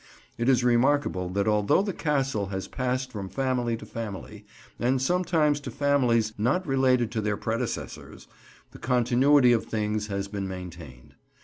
It is remarkable that although the Castle has passed from family to family, and sometimes to families not related to their predecessors, the continuity of things has been maintained.